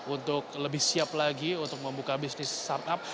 untuk lebih siap lagi untuk membuka bisnis startup